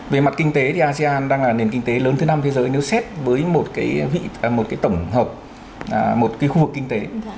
về mặt kinh tế thì asean đang là nền kinh tế lớn thứ năm thế giới nếu xét với một cái vị một cái tổng hợp một cái khu vực kinh tế